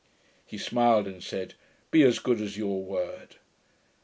He smiled, and said, 'Be as good as your word!'